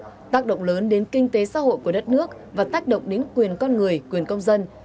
tác động lớn đến kinh tế xã hội của đất nước và tác động đến quyền con người quyền công dân